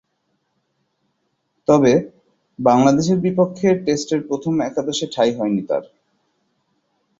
তবে, বাংলাদেশের বিপক্ষে টেস্টের প্রথম একাদশে ঠাঁই হয়নি তার।